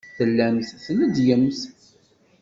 Tellamt tleddyemt.